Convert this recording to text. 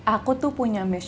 aku tuh punya mission